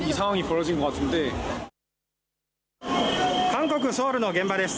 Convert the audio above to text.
韓国・ソウルの現場です。